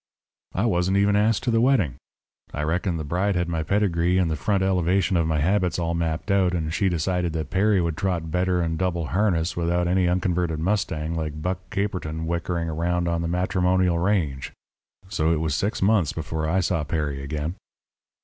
"I wasn't even asked to the wedding. I reckon the bride had my pedigree and the front elevation of my habits all mapped out, and she decided that Perry would trot better in double harness without any unconverted mustang like Buck Caperton whickering around on the matrimonial range. So it was six months before I saw Perry again.